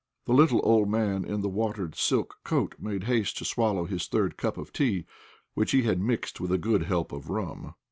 The little old man in the watered silk coat made haste to swallow his third cup of tea, which he had mixed with a good help of rum.